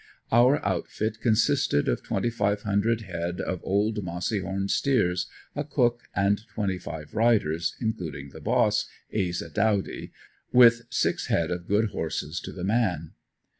Our outfit consisted of twenty five hundred head of old mossy horn steers, a cook and twenty five riders, including the boss, Asa Dawdy, with six head of good horses to the man.